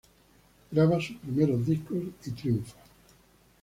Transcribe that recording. Graba sus primeros discos y triunfa.